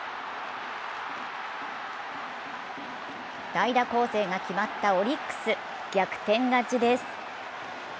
代打攻勢が決まったオリックス逆転勝ちです。